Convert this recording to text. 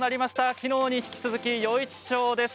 きのうに引き続き余市町です。